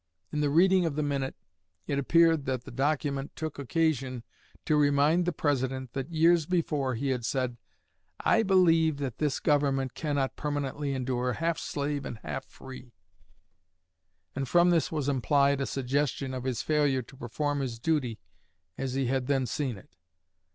In the reading of the minute, it appeared that the document took occasion to remind the President that, years before, he had said, "I believe that this Government cannot permanently endure half slave and half free," and from this was implied a suggestion of his failure to perform his duty as he had then seen it.